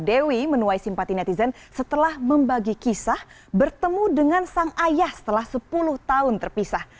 dewi menuai simpati netizen setelah membagi kisah bertemu dengan sang ayah setelah sepuluh tahun terpisah